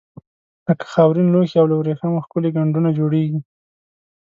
لکه خاورین لوښي او له وریښمو ښکلي ګنډونه جوړیږي.